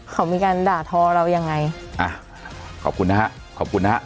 เขามีการด่าทอเรายังไงอ่ะขอบคุณนะฮะขอบคุณนะฮะ